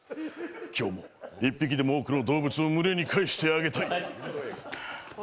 今日も１匹でも多くの動物を群れに帰してあげたい。